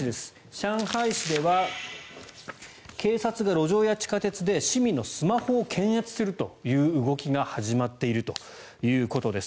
上海市では警察が路上や地下鉄で市民のスマホを検閲するという動きが始まっているということです。